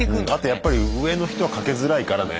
やっぱり上の人はかけづらいからね。